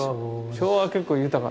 昭和は結構豊か。